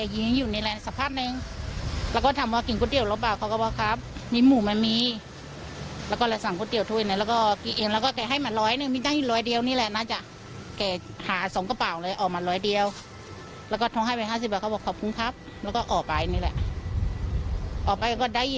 ดูไม่ได้แล้วอ่ะทีนี้